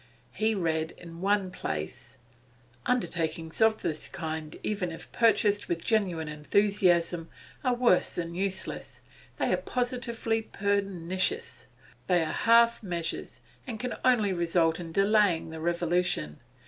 He read in one place: 'Undertakings of this kind, even if pursued with genuine enthusiasm, are worse than useless; they are positively pernicious. They are half measures, and can only result in delaying the Revolution.